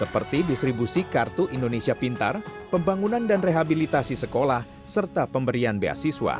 pasaran pakai tandare senator kana